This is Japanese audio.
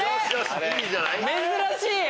珍しい！